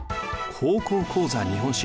「高校講座日本史」。